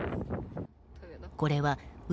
これは内